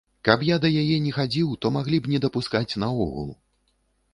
Каб я да яе не хадзіў, то маглі б не дапускаць наогул.